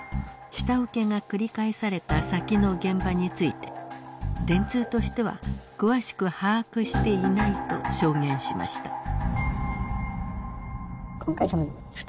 下請けが繰り返された先の現場について電通としては詳しく把握していないと証言しました。